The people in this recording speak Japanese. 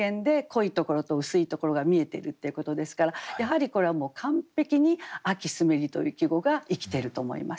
濃いところと薄いところが見えてるっていうことですからやはりこれはもう完璧に「秋澄めり」という季語が生きてると思います。